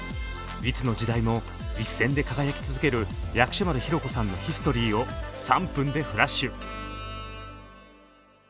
いつの時代も一線で輝き続ける薬師丸ひろ子さんのヒストリーを３分でフラッシュ！